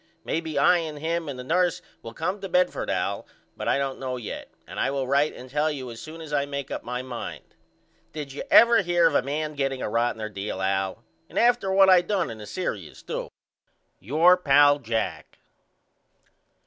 Maybe I and him and the nurse will come to Bedford Al but I don't know yet and I will write and tell you as soon as I make up my mind. Did you ever hear of a man getting a rottener deal Al? And after what I done in the serious too. Your pal, JACK.